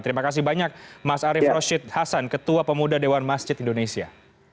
terima kasih banyak mas arief roshid hasan ketua pemuda dewan masjid indonesia